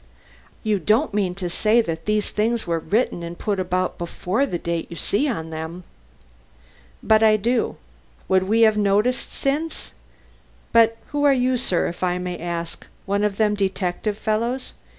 "You don't mean to say that these things were written and put about before the date you see on them." "But I do. Would we have noticed since? But who are you, sir, if I may ask? One of them detective fellows?